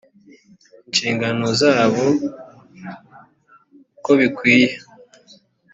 inshingano zabo uko bikwiye